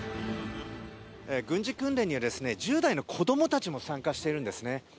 軍事訓練には１０代の子どもたちも参加しているんですね。